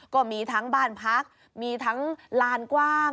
ก็มีทั้งบ้านพักมีทั้งลานกว้าง